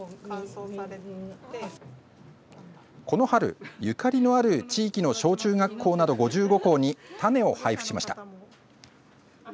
この春、ゆかりのある地域の小中学校など５５校に種を配布しました。